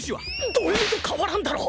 ドＭと変わらんだろ！